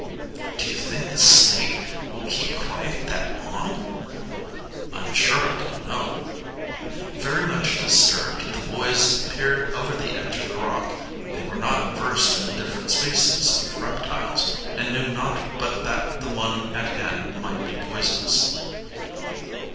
"Do you think the snake will keep quiet that long?" "I'm sure I don't know." Very much disturbed, the two boys peered over the edge of the rock. They were not versed in the different species of reptiles, and knew not but that the one at hand might be poisonous.